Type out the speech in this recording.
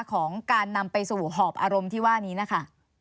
ของการนำไปสู่หอบอารมณ์ที่ว่านี้นะคะ